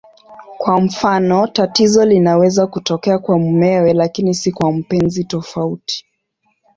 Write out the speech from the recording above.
Kwa mfano, tatizo linaweza kutokea kwa mumewe lakini si kwa mpenzi tofauti.